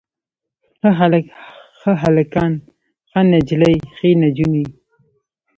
ښه هلک، ښه هلکان، ښه نجلۍ ښې نجونې.